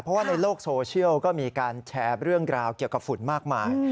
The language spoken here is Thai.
เพราะว่าในโลกโซเชียลก็มีการแชร์เรื่องราวเกี่ยวกับฝุ่นมากมาย